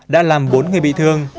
đã làm bốn người bị thương